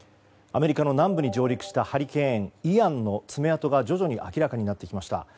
アメリカの南部に上陸したハリケーン、イアンの爪痕が徐々に明らかになってきました。